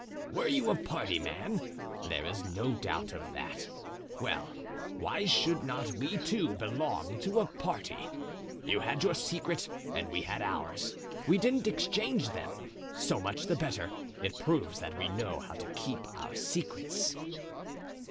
Were you a party man? There is no doubt of that. Well, why should not we, too, belong to a party? You had your secret and we had ours; we didn't exchange them. So much the better; it proves that we know how to keep our secrets."